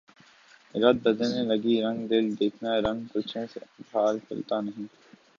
رت بدلنے لگی رنگ دل دیکھنا رنگ گلشن سے اب حال کھلتا نہیں